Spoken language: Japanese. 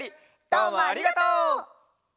どうもありがとう！